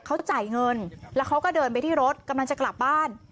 เขาจ่ายเงินแล้วเขาก็เดินไปที่รถกำลังจะกลับบ้าน